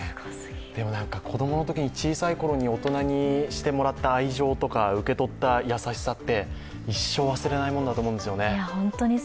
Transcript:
子供のときに、小さいころに大人にしてもらった愛情とか受け取った優しさって、一生忘れないものだと思うんですよね。